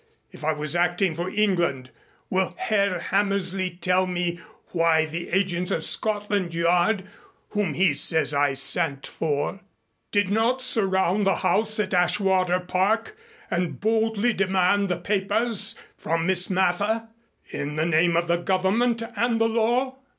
If I was acting for England, will Herr Hammersley tell me why the agents of Scotland Yard, whom he says I sent for, did not surround the house at Ashwater Park and boldly demand the papers from Miss Mather, in the name of the Government and the law?"